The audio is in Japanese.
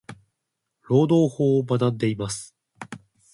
労働法を学んでいます。。